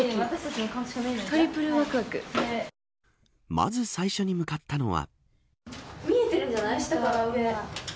まず最初に向かったのは。